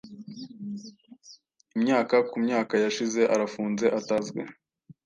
Imyaka kumyaka yashize, arafunze, atazwi,